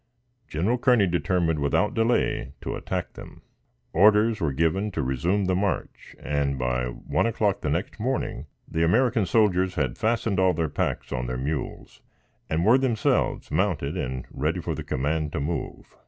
General Kearney determined, without delay to attack them. Orders were given to resume the march; and, by one o'clock the next morning the American soldiers had fastened all their packs on their mules, and were themselves mounted and ready for the command to move.